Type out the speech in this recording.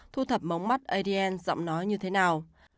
thu thập móng mắt adn dọng nói như thế nào